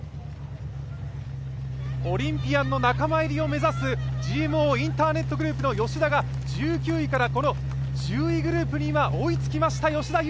オリンピアンの仲間入りを目指すＧＭＯインターネットグループの吉田が１９位から１０位グループに追いつきました。